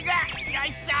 よいしょ！